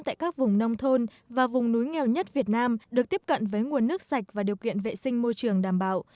tại các vùng nông thôn và vùng núi nghèo nhất việt nam được tiếp cận với nguồn nước sạch và điều kiện vệ sinh môi trường đảm bảo